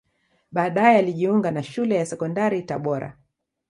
Baadae alijiunga na Shule ya Sekondari Tabora